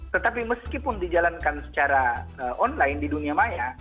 tetapi meskipun dijalankan secara online di dunia maya